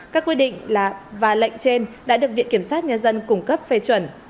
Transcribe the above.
các quy định và lệnh trên đã được viện kiểm sát nhân dân cung cấp phê chuẩn